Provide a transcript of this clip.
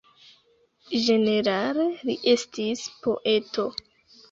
Ĝenerale li estis poeto.